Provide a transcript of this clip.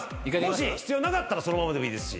もし必要なかったらそのままでもいいですし。